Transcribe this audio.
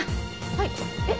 はいえっ？